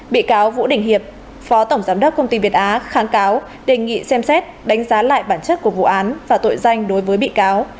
bị cáo vũ đình hiệp phó tổng giám đốc công ty việt á kháng cáo đề nghị xem xét đánh giá lại bản chất của vụ án và tội danh đối với bị cáo